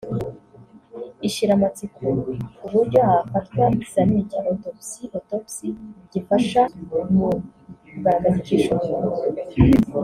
Ishiramatsiko ku buryo hafatwa ikizamini cya ‘autopsie/ autopsy’ gifasha mu kugaragaza icyishe umuntu